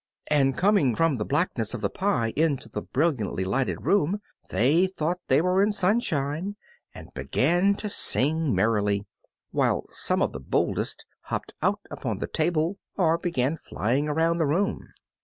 And coming from the blackness of the pie into the brilliantly lighted room they thought they were in the sunshine, and began to sing merrily, while some of the boldest hopped out upon the table or began flying around the room.